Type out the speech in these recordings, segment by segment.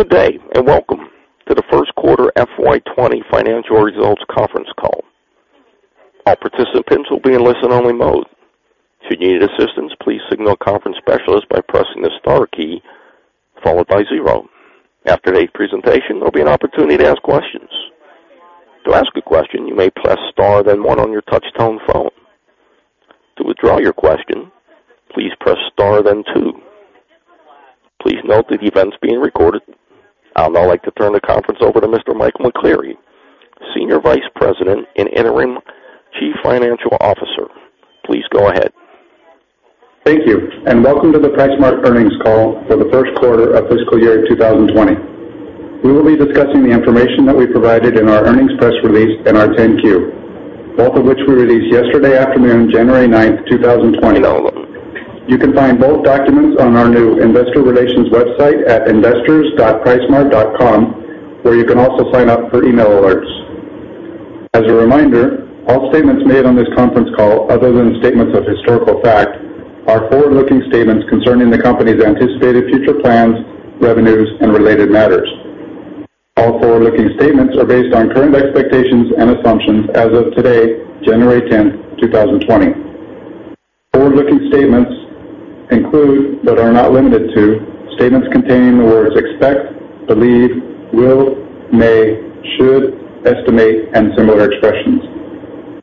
Good day, welcome to the first quarter FY 2020 financial results conference call. All participants will be in listen-only mode. If you need assistance, please signal a conference specialist by pressing the star key, followed by zero. After today's presentation, there'll be an opportunity to ask questions. To ask a question, you may press star, then one on your touch-tone phone. To withdraw your question, please press star, then two. Please note that the event's being recorded. I'll now like to turn the conference over to Mr. Michael McCleary, Senior Vice President and Interim Chief Financial Officer. Please go ahead. Thank you, and welcome to the PriceSmart earnings call for the first quarter of fiscal year 2020. We will be discussing the information that we provided in our earnings press release and our 10-Q, both of which we released yesterday afternoon, January 9, 2020. You can find both documents on our new investor relations website at investors.pricesmart.com, where you can also sign up for email alerts. As a reminder, all statements made on this conference call, other than statements of historical fact, are forward-looking statements concerning the company's anticipated future plans, revenues, and related matters. All forward-looking statements are based on current expectations and assumptions as of today, January 10, 2020. Forward-looking statements include, but are not limited to, statements containing the words expect, believe, will, may, should, estimate, and similar expressions.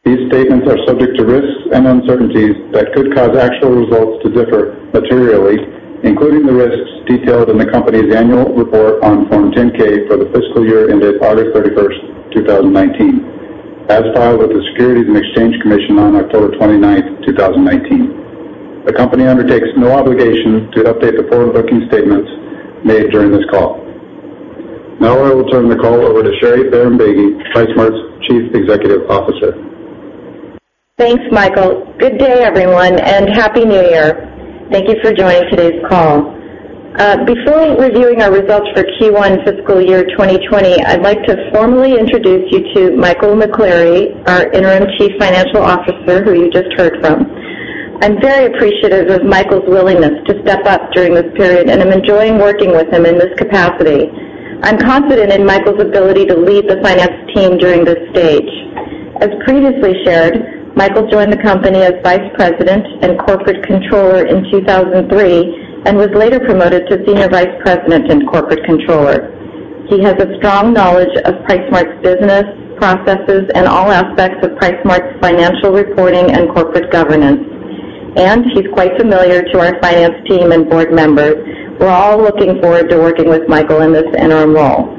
These statements are subject to risks and uncertainties that could cause actual results to differ materially, including the risks detailed in the company's annual report on Form 10-K for the fiscal year ended August 31st, 2019, as filed with the Securities and Exchange Commission on October 29th, 2019. The company undertakes no obligation to update the forward-looking statements made during this call. I will turn the call over to Sherry Bahrambeygui, PriceSmart's Chief Executive Officer. Thanks, Michael. Good day, everyone, and Happy New Year. Thank you for joining today's call. Before reviewing our results for Q1 fiscal year 2020, I'd like to formally introduce you to Michael McCleary, our interim Chief Financial Officer, who you just heard from. I'm very appreciative of Michael's willingness to step up during this period, and I'm enjoying working with him in this capacity. I'm confident in Michael's ability to lead the finance team during this stage. As previously shared, Michael joined the company as Vice President and Corporate Controller in 2003, and was later promoted to Senior Vice President and Corporate Controller. He has a strong knowledge of PriceSmart's business, processes, and all aspects of PriceSmart's financial reporting and corporate governance, and he's quite familiar to our finance team and board members. We're all looking forward to working with Michael in this interim role.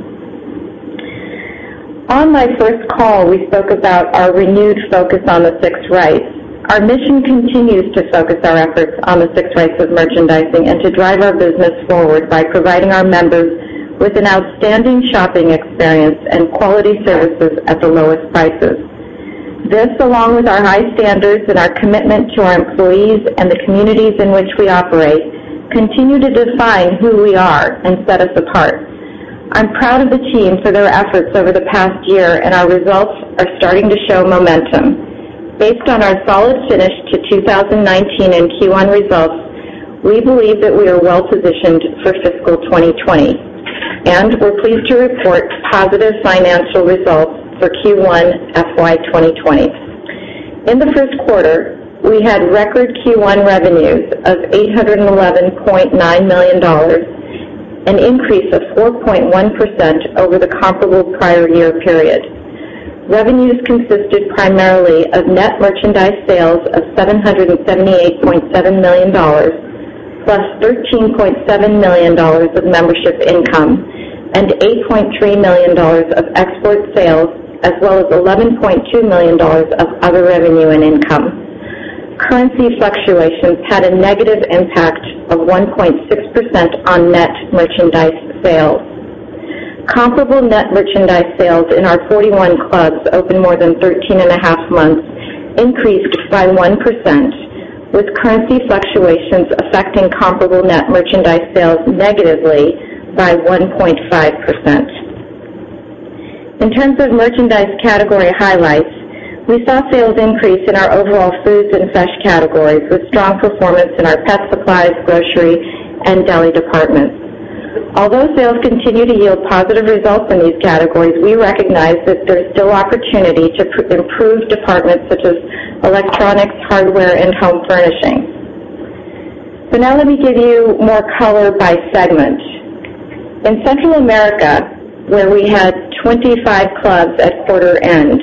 On my first call, we spoke about our renewed focus on the Six Rights. Our mission continues to focus our efforts on the Six Rights of merchandising and to drive our business forward by providing our members with an outstanding shopping experience and quality services at the lowest prices. This, along with our high standards and our commitment to our employees and the communities in which we operate, continue to define who we are and set us apart. I'm proud of the team for their efforts over the past year, and our results are starting to show momentum. Based on our solid finish to 2019 and Q1 results, we believe that we are well-positioned for fiscal 2020, and we're pleased to report positive financial results for Q1 FY 2020. In the first quarter, we had record Q1 revenues of $811.9 million, an increase of 4.1% over the comparable prior year period. Revenues consisted primarily of net merchandise sales of $778.7 million, plus $13.7 million of membership income and $8.3 million of export sales, as well as $11.2 million of other revenue and income. Currency fluctuations had a negative impact of 1.6% on net merchandise sales. Comparable net merchandise sales in our 41 clubs open more than 13 and a half months increased by 1%, with currency fluctuations affecting comparable net merchandise sales negatively by 1.5%. In terms of merchandise category highlights, we saw sales increase in our overall foods and fresh categories, with strong performance in our pet supplies, grocery, and deli departments. Although sales continue to yield positive results in these categories, we recognize that there's still opportunity to improve departments such as electronics, hardware, and home furnishings. Now let me give you more color by segment. In Central America, where we had 25 clubs at quarter end,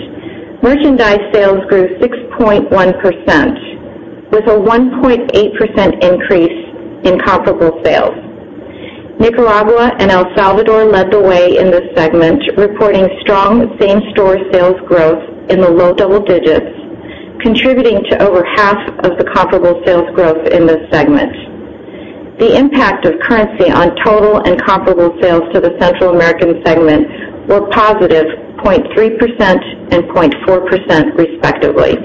merchandise sales grew 6.1%, with a 1.8% increase in comparable sales. Nicaragua and El Salvador led the way in this segment, reporting strong same-store sales growth in the low double digits, contributing to over half of the comparable sales growth in this segment. The impact of currency on total and comparable sales to the Central American segment were positive 0.3% and 0.4% respectively.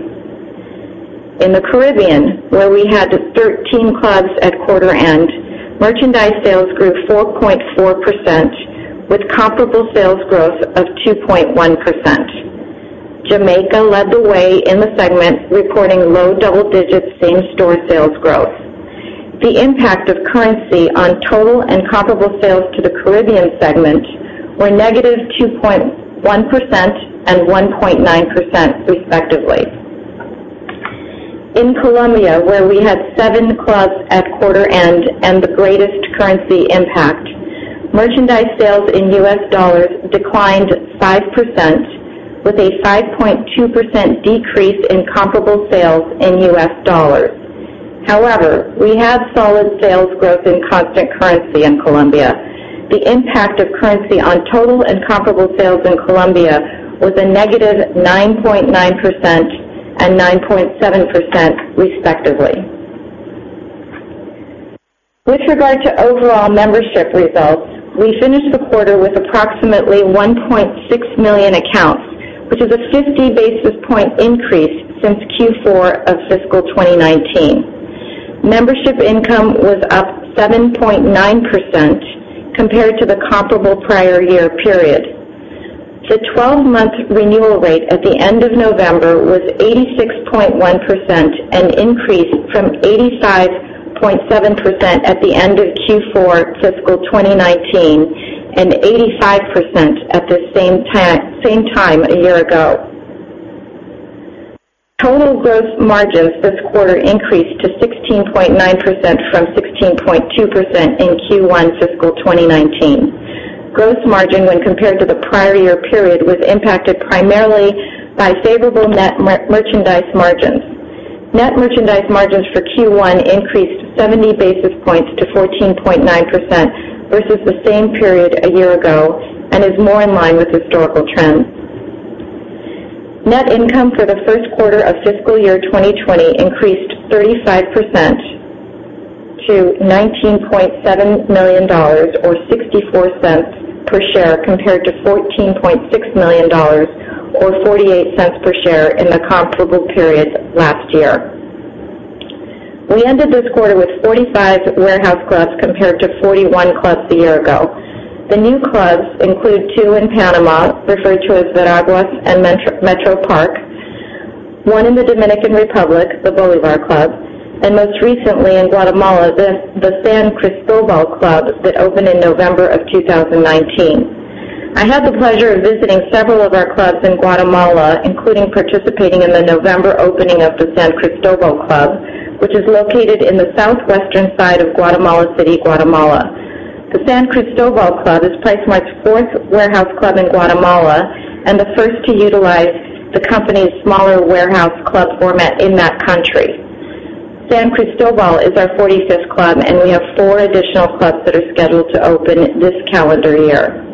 In the Caribbean, where we had 13 clubs at quarter end, merchandise sales grew 4.4%, with comparable sales growth of 2.1%. Jamaica led the way in the segment, recording low double-digit same-store sales growth. The impact of currency on total and comparable sales to the Caribbean segment were negative 2.1% and 1.9%, respectively. In Colombia, where we had seven clubs at quarter end and the greatest currency impact, merchandise sales in US dollars declined 5%, with a 5.2% decrease in comparable sales in US dollars. However, we have solid sales growth in constant currency in Colombia. The impact of currency on total and comparable sales in Colombia was a negative 9.9% and 9.7%, respectively. With regard to overall membership results, we finished the quarter with approximately 1.6 million accounts, which is a 50 basis points increase since Q4 of fiscal 2019. Membership income was up 7.9% compared to the comparable prior year period. The 12-month renewal rate at the end of November was 86.1%, an increase from 85.7% at the end of Q4 fiscal 2019 and 85% at the same time a year ago. Total gross margins this quarter increased to 16.9% from 16.2% in Q1 fiscal 2019. Gross margin, when compared to the prior year period, was impacted primarily by favorable net merchandise margins. Net merchandise margins for Q1 increased 70 basis points to 14.9% versus the same period a year ago and is more in line with historical trends. Net income for the first quarter of fiscal year 2020 increased 35% to $19.7 million or $0.64 per share compared to $14.6 million or $0.48 per share in the comparable period last year. We ended this quarter with 45 warehouse clubs compared to 41 clubs a year ago. The new clubs include two in Panama, referred to as Veraguas and Metropark, one in the Dominican Republic, the Bolívar club, and most recently in Guatemala, the San Cristóbal club that opened in November of 2019. I had the pleasure of visiting several of our clubs in Guatemala, including participating in the November opening of the San Cristóbal club, which is located in the southwestern side of Guatemala City, Guatemala. The San Cristóbal club is PriceSmart's fourth warehouse club in Guatemala and the first to utilize the company's smaller warehouse club format in that country. San Cristóbal is our 45th club, and we have four additional clubs that are scheduled to open this calendar year.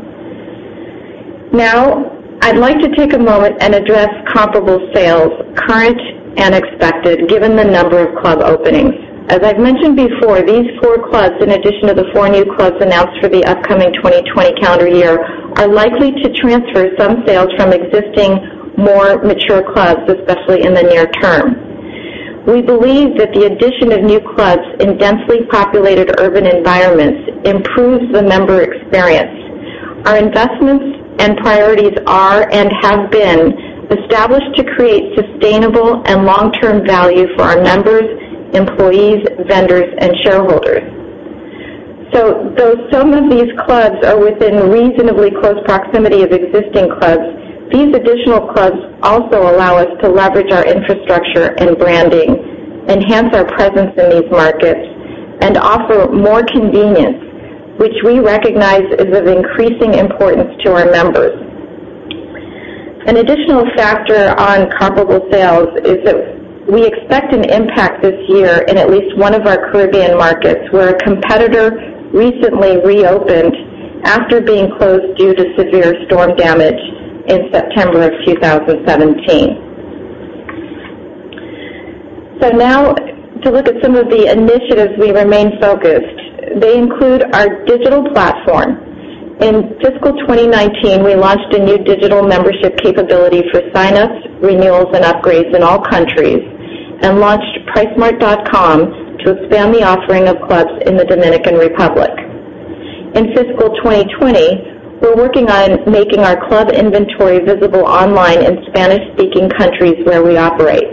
I'd like to take a moment and address comparable sales, current and expected, given the number of club openings. I've mentioned before, these four clubs, in addition to the four new clubs announced for the upcoming 2020 calendar year, are likely to transfer some sales from existing, more mature clubs, especially in the near term. We believe that the addition of new clubs in densely populated urban environments improves the member experience. Our investments and priorities are and have been established to create sustainable and long-term value for our members, employees, vendors, and shareholders. Though some of these clubs are within reasonably close proximity of existing clubs, these additional clubs also allow us to leverage our infrastructure and branding, enhance our presence in these markets, and offer more convenience, which we recognize is of increasing importance to our members. An additional factor on comparable sales is that we expect an impact this year in at least one of our Caribbean markets, where a competitor recently reopened after being closed due to severe storm damage in September of 2017. Now to look at some of the initiatives we remain focused. They include our digital platform. In fiscal 2019, we launched a new digital membership capability for sign-ups, renewals, and upgrades in all countries and launched pricesmart.com to expand the offering of clubs in the Dominican Republic. In fiscal 2020, we're working on making our club inventory visible online in Spanish-speaking countries where we operate.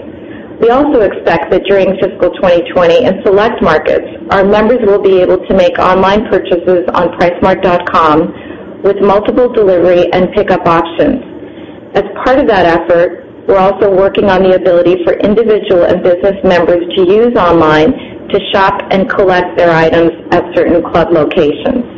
We also expect that during fiscal 2020, in select markets, our members will be able to make online purchases on pricesmart.com with multiple delivery and pickup options. As part of that effort, we're also working on the ability for individual and business members to use online to shop and collect their items at certain club locations.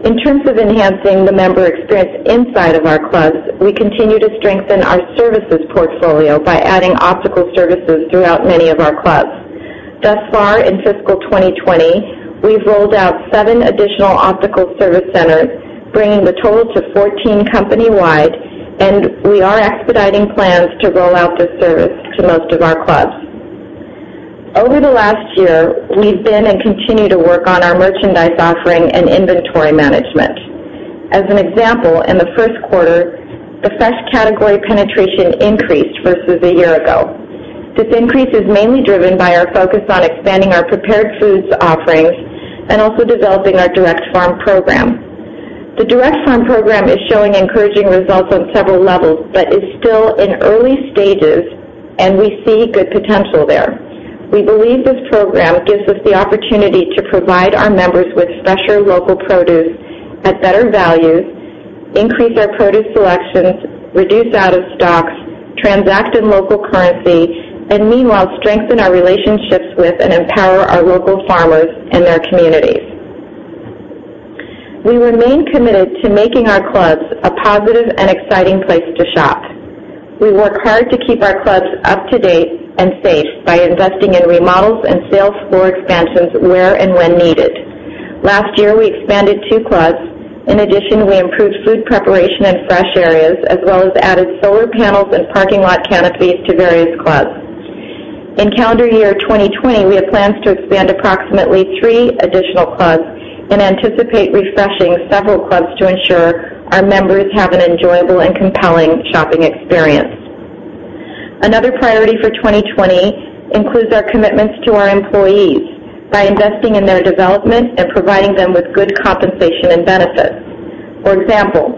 In terms of enhancing the member experience inside of our clubs, we continue to strengthen our services portfolio by adding optical services throughout many of our clubs. Thus far in fiscal 2020, we've rolled out seven additional optical service centers, bringing the total to 14 company-wide, and we are expediting plans to roll out this service to most of our clubs. Over the last year, we've been and continue to work on our merchandise offering and inventory management. As an example, in the first quarter, the fresh category penetration increased versus a year ago. This increase is mainly driven by our focus on expanding our prepared foods offerings. Also developing our Direct Farm Program. The Direct Farm Program is showing encouraging results on several levels, but is still in early stages and we see good potential there. We believe this program gives us the opportunity to provide our members with fresher local produce at better value, increase our produce selections, reduce out of stocks, transact in local currency, and meanwhile, strengthen our relationships with and empower our local farmers and their communities. We remain committed to making our clubs a positive and exciting place to shop. We work hard to keep our clubs up to date and safe by investing in remodels and sales floor expansions where and when needed. Last year, we expanded two clubs. In addition, we improved food preparation and fresh areas, as well as added solar panels and parking lot canopies to various clubs. In calendar year 2020, we have plans to expand approximately three additional clubs and anticipate refreshing several clubs to ensure our members have an enjoyable and compelling shopping experience. Another priority for 2020 includes our commitments to our employees by investing in their development and providing them with good compensation and benefits. For example,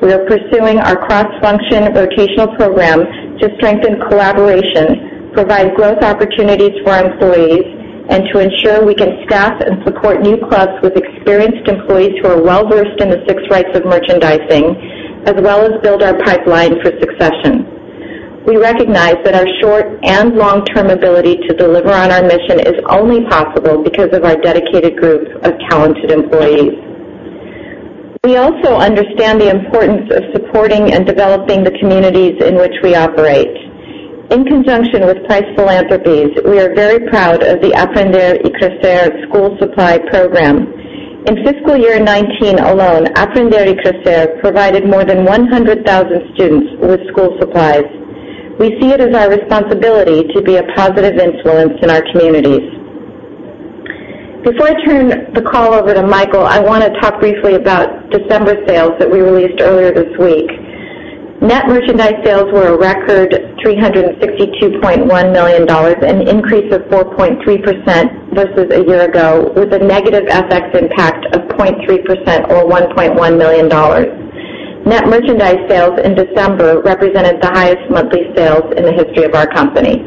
we are pursuing our cross-function rotational program to strengthen collaboration, provide growth opportunities for our employees, and to ensure we can staff and support new clubs with experienced employees who are well-versed in the Six Rights of Merchandising, as well as build our pipeline for succession. We recognize that our short and long-term ability to deliver on our mission is only possible because of our dedicated group of talented employees. We also understand the importance of supporting and developing the communities in which we operate. In conjunction with Price Philanthropies, we are very proud of the Aprender y Crecer school supply program. In fiscal year 2019 alone, Aprender y Crecer provided more than 100,000 students with school supplies. We see it as our responsibility to be a positive influence in our communities. Before I turn the call over to Michael, I want to talk briefly about December sales that we released earlier this week. Net merchandise sales were a record $362.1 million, an increase of 4.3% versus a year ago, with a negative FX impact of 0.3%, or $1.1 million. Net merchandise sales in December represented the highest monthly sales in the history of our company.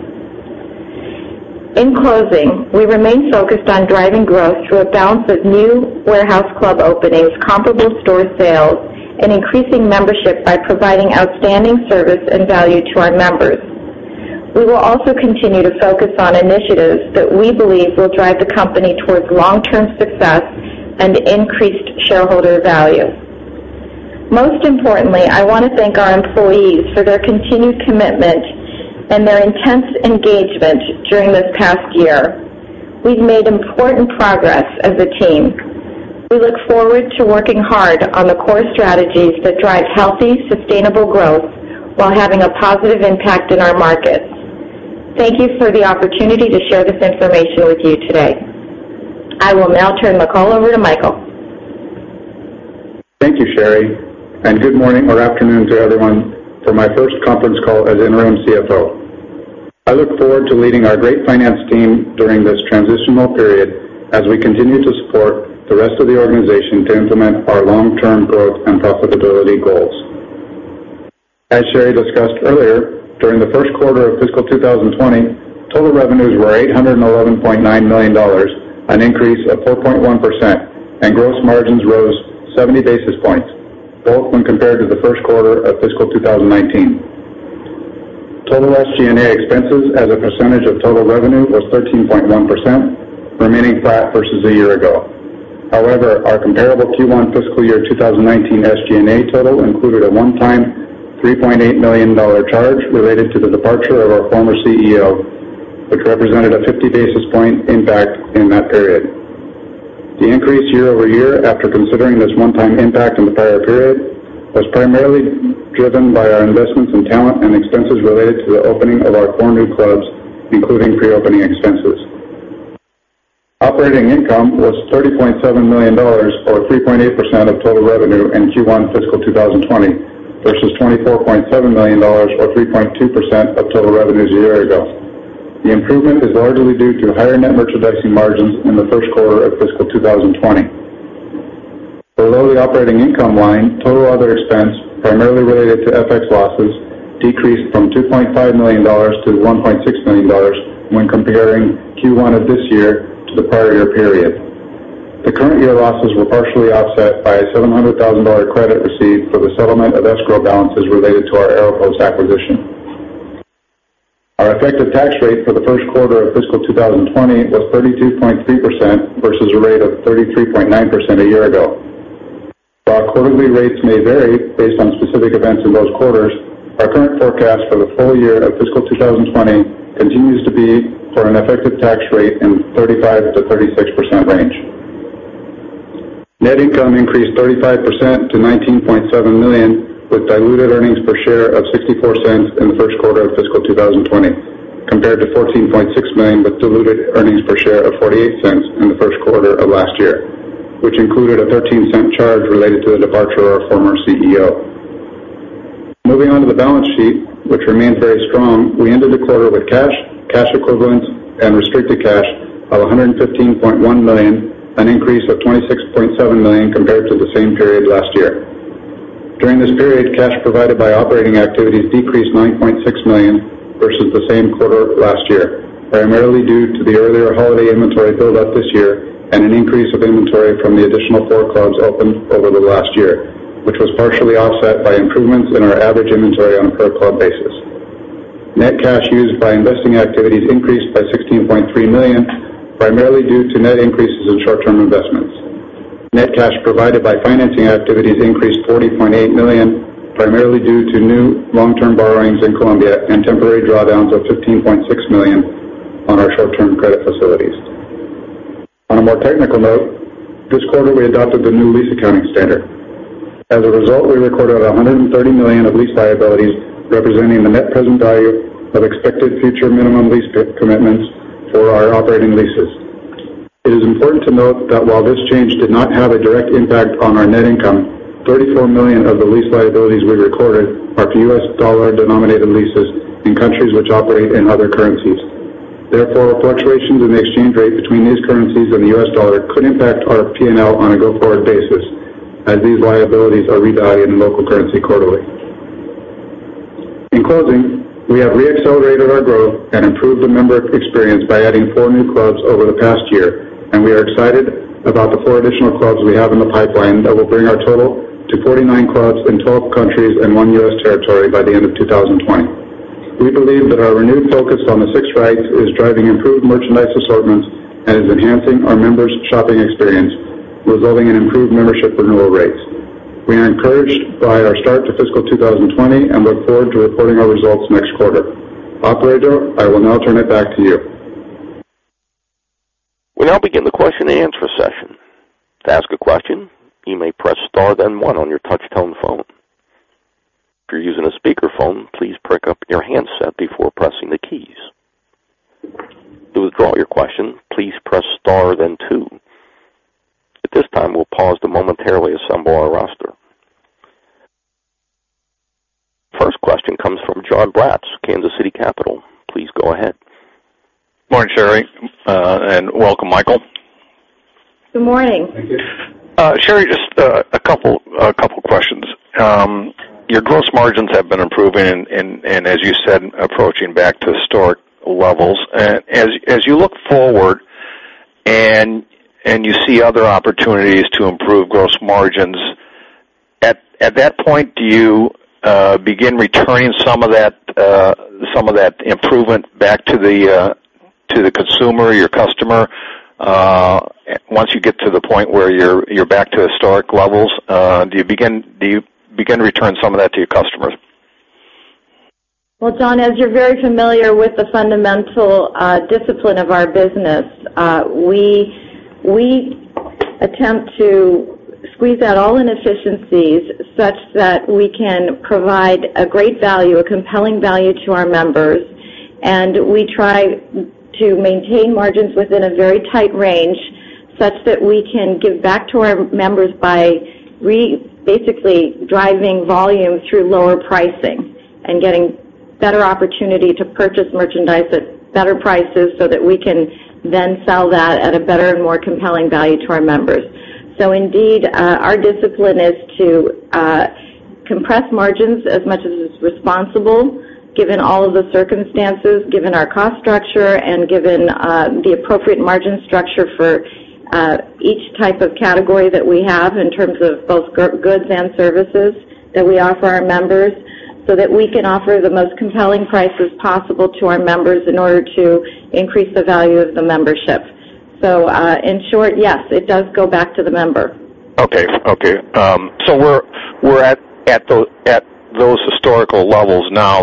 In closing, we remain focused on driving growth through a balance of new warehouse club openings, comparable store sales, and increasing membership by providing outstanding service and value to our members. We will also continue to focus on initiatives that we believe will drive the company towards long-term success and increased shareholder value. Most importantly, I want to thank our employees for their continued commitment and their intense engagement during this past year. We've made important progress as a team. We look forward to working hard on the core strategies that drive healthy, sustainable growth while having a positive impact in our markets. Thank you for the opportunity to share this information with you today. I will now turn the call over to Michael. Thank you, Sherry. Good morning or afternoon to everyone for my first conference call as interim CFO. I look forward to leading our great finance team during this transitional period as we continue to support the rest of the organization to implement our long-term growth and profitability goals. As Sherry discussed earlier, during the first quarter of fiscal 2020, total revenues were $811.9 million, an increase of 4.1%, and gross margins rose 70 basis points, both when compared to the first quarter of fiscal 2019. Total SG&A expenses as a percentage of total revenue was 13.1%, remaining flat versus a year ago. However, our comparable Q1 fiscal year 2019 SG&A total included a one-time $3.8 million charge related to the departure of our former CEO, which represented a 50 basis point impact in that period. The increase year-over-year, after considering this one-time impact in the prior period, was primarily driven by our investments in talent and expenses related to the opening of our four new clubs, including pre-opening expenses. Operating income was $30.7 million, or 3.8% of total revenue in Q1 fiscal 2020, versus $24.7 million, or 3.2% of total revenues a year ago. The improvement is largely due to higher net merchandising margins in the first quarter of fiscal 2020. Below the operating income line, total other expense, primarily related to FX losses, decreased from $2.5 million to $1.6 million when comparing Q1 of this year to the prior year period. The current year losses were partially offset by a $700,000 credit received for the settlement of escrow balances related to our Aeropost acquisition. Our effective tax rate for the first quarter of fiscal 2020 was 32.3% versus a rate of 33.9% a year ago. While quarterly rates may vary based on specific events in most quarters, our current forecast for the full year of fiscal 2020 continues to be for an effective tax rate in 35%-36% range. Net income increased 35% to $19.7 million with diluted earnings per share of $0.64 in the first quarter of fiscal 2020, compared to $14.6 million with diluted earnings per share of $0.48 in the first quarter of last year, which included a $0.13 charge related to the departure of our former CEO. Moving on to the balance sheet, which remains very strong. We ended the quarter with cash equivalents, and restricted cash of $115.1 million, an increase of $26.7 million compared to the same period last year. During this period, cash provided by operating activities decreased $9.6 million versus the same quarter last year, primarily due to the earlier holiday inventory build-up this year and an increase of inventory from the additional 4 clubs open over the last year, which was partially offset by improvements in our average inventory on a per-club basis. Net cash used by investing activities increased by $16.3 million, primarily due to net increases in short-term investments. Net cash provided by financing activities increased $40.8 million, primarily due to new long-term borrowings in Colombia and temporary drawdowns of $15.6 million on our short-term credit facilities. On a more technical note, this quarter, we adopted the new lease accounting standard. As a result, we recorded $130 million of lease liabilities, representing the net present value of expected future minimum lease commitments for our operating leases. It is important to note that while this change did not have a direct impact on our net income, $34 million of the lease liabilities we recorded are for U.S. dollar-denominated leases in countries which operate in other currencies. Fluctuations in the exchange rate between these currencies and the U.S. dollar could impact our P&L on a go-forward basis, as these liabilities are revalued in local currency quarterly. In closing, we have re-accelerated our growth and improved the member experience by adding four new clubs over the past year, and we are excited about the four additional clubs we have in the pipeline that will bring our total to 49 clubs in 12 countries and one U.S. territory by the end of 2020. We believe that our renewed focus on the Six Rights is driving improved merchandise assortments and is enhancing our members' shopping experience, resulting in improved membership renewal rates. We are encouraged by our start to fiscal 2020 and look forward to reporting our results next quarter. Operator, I will now turn it back to you. We now begin the question and answer session. To ask a question, you may press star then one on your touch-tone phone. If you're using a speakerphone, please pick up your handset before pressing the keys. To withdraw your question, please press star then two. At this time, we'll pause to momentarily assemble our roster. First question comes from Jon Braatz, Kansas City Capital. Please go ahead. Morning, Sherry, and welcome, Michael. Good morning. Thank you. Sherry, just a couple of questions. Your gross margins have been improving and, as you said, approaching back to historic levels. As you look forward and you see other opportunities to improve gross margins, at that point, do you begin returning some of that improvement back to the consumer, your customer, once you get to the point where you're back to historic levels? Do you begin to return some of that to your customers? Well, Jon, as you're very familiar with the fundamental discipline of our business, we attempt to squeeze out all inefficiencies such that we can provide a great value, a compelling value to our members. We try to maintain margins within a very tight range such that we can give back to our members by basically driving volume through lower pricing and getting better opportunity to purchase merchandise at better prices so that we can then sell that at a better and more compelling value to our members. Indeed, our discipline is to compress margins as much as is responsible, given all of the circumstances, given our cost structure, and given the appropriate margin structure for each type of category that we have in terms of both goods and services that we offer our members, so that we can offer the most compelling prices possible to our members in order to increase the value of the membership. In short, yes, it does go back to the member. Okay. We're at those historical levels now,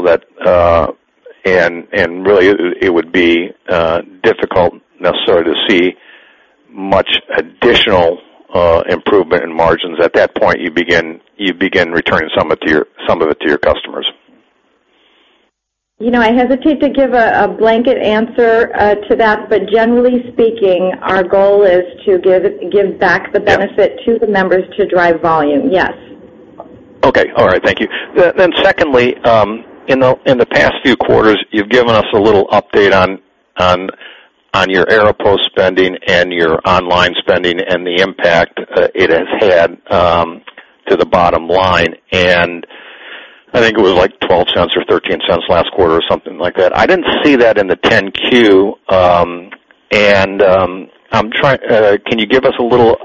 and really, it would be difficult necessarily to see much additional improvement in margins. At that point, you begin returning some of it to your customers. I hesitate to give a blanket answer to that, but generally speaking, our goal is to give back the benefit to the members to drive volume. Yes. Okay. All right. Thank you. Secondly, in the past few quarters, you've given us a little update on your Aeropost spending and your online spending and the impact it has had to the bottom line. I think it was $0.12 or $0.13 last quarter or something like that. I didn't see that in the 10-Q. Can you give us a little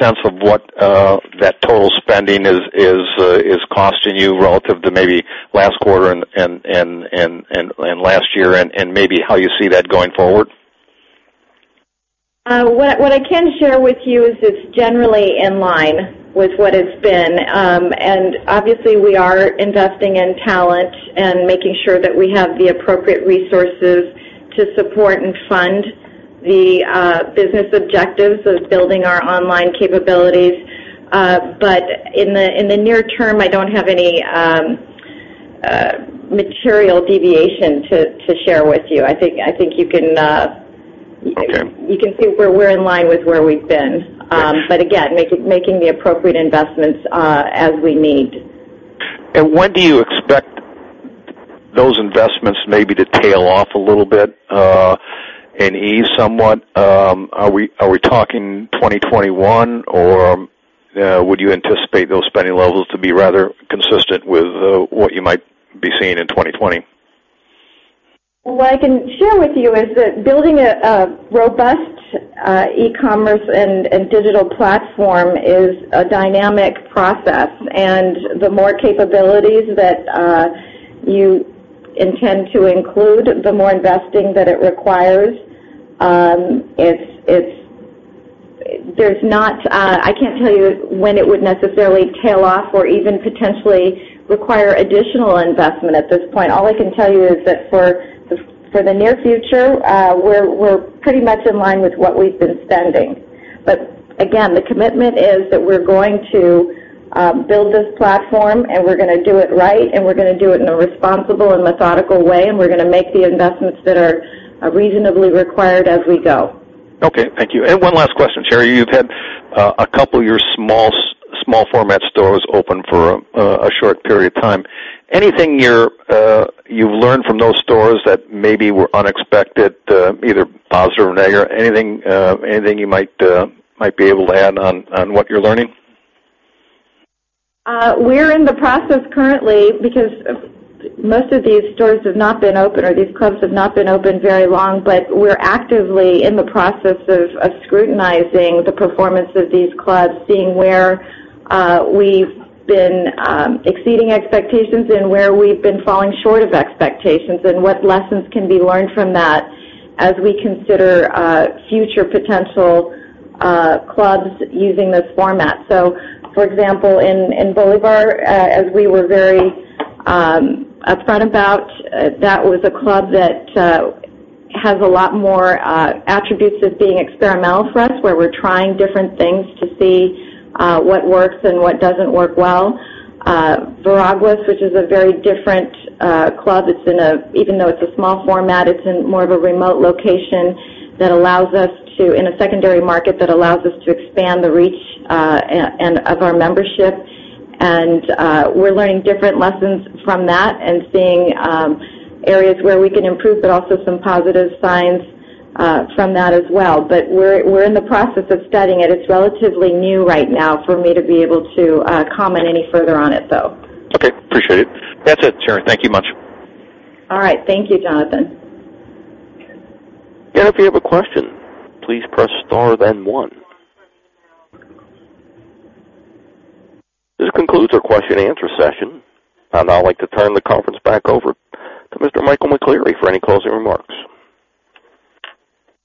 sense of what that total spending is costing you relative to maybe last quarter and last year, and maybe how you see that going forward? What I can share with you is it's generally in line with what it's been. Obviously, we are investing in talent and making sure that we have the appropriate resources to support and fund the business objectives of building our online capabilities. In the near term, I don't have any material deviation to share with you. I think you can. Okay. You can see where we're in line with where we've been. Got you. Again, making the appropriate investments as we need. When do you expect those investments maybe to tail off a little bit and ease somewhat? Are we talking 2021, or would you anticipate those spending levels to be rather consistent with what you might be seeing in 2020? What I can share with you is that building a robust e-commerce and digital platform is a dynamic process, and the more capabilities that you intend to include, the more investing that it requires. I can't tell you when it would necessarily tail off or even potentially require additional investment at this point. All I can tell you is that for the near future, we're pretty much in line with what we've been spending. Again, the commitment is that we're going to build this platform, and we're going to do it right, and we're going to do it in a responsible and methodical way, and we're going to make the investments that are reasonably required as we go. Okay. Thank you. One last question, Sherry. You've had a couple of your small format stores open for a short period of time. Anything you've learned from those stores that maybe were unexpected, either positive or negative? Anything you might be able to add on what you're learning? We're in the process currently because most of these stores have not been open, or these clubs have not been open very long, we're actively in the process of scrutinizing the performance of these clubs, seeing where we've been exceeding expectations and where we've been falling short of expectations, and what lessons can be learned from that as we consider future potential clubs using this format. For example, in Bolívar, as we were very upfront about, that was a club that has a lot more attributes of being experimental for us, where we're trying different things to see what works and what doesn't work well. Veraguas, which is a very different club. Even though it's a small format, it's in more of a remote location in a secondary market that allows us to expand the reach of our membership. We're learning different lessons from that and seeing areas where we can improve, but also some positive signs from that as well. We're in the process of studying it. It's relatively new right now for me to be able to comment any further on it, though. Okay. Appreciate it. That's it, Sherry. Thank you much. All right. Thank you, Jonathan. If you have a question, please press star then one. This concludes our question and answer session. I'd now like to turn the conference back over to Mr. Michael McCleary for any closing remarks.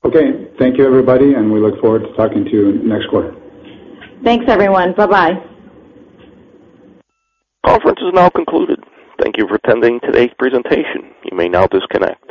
Okay. Thank you, everybody, and we look forward to talking to you next quarter. Thanks, everyone. Bye-bye. Conference is now concluded. Thank you for attending today's presentation. You may now disconnect.